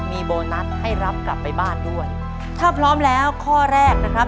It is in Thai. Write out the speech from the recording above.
มีโบนัสให้รับกลับไปบ้านด้วยถ้าพร้อมแล้วข้อแรกนะครับ